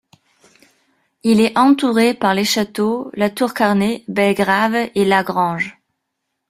Il est entouré par les châteaux La Tour Carnet, Belgrave et Lagrange.